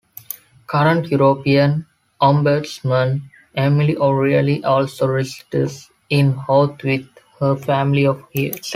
Current European Ombudsman Emily O'Reilly also resides in Howth with her family of seven.